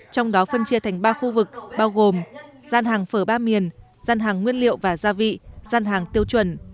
trong đó phân chia thành ba khu vực bao gồm dân hàng phở ba miền dân hàng nguyên liệu và gia vị dân hàng tiêu chuẩn